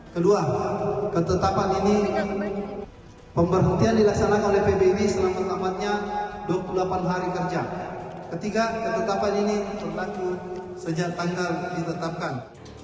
ketetapan ini pemberhentian dilaksanakan oleh pbw selama dua puluh delapan hari kerja ketika ketetapan ini